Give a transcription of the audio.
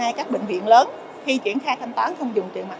tại các bệnh viện lớn khi triển khai thanh toán không dùng tiền mặt